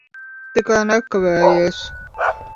Tikai nekavējies.